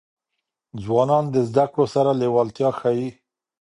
ځوانان د زدهکړو سره لېوالتیا ښيي.